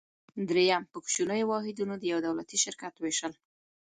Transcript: دریم: په کوچنیو واحدونو د یو دولتي شرکت ویشل.